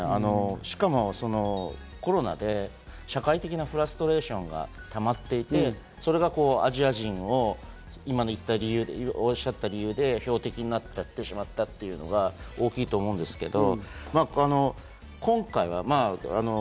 しかも、コロナで社会的なフラストレーションがたまっていて、それが今おっしゃった理由でアジア人が標的になってしまったというのが大きいと思うんですけど。